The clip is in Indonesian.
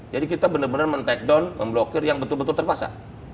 jadi kita benar benar men takedown memblokir yang betul betul terpaksa